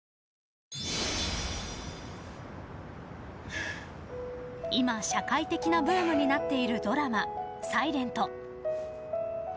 へぇ今、社会的なブームになっているドラマ「ｓｉｌｅｎｔ」